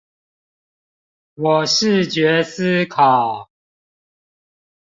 我視覺思考